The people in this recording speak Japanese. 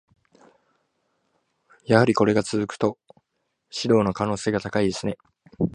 やはりこれが続くと、指導の可能性が高いですね。